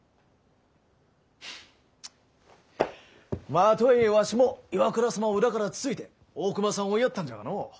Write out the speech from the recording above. まぁとはいえわしも岩倉様を裏からつついて大隈さんを追いやったんじゃがのう。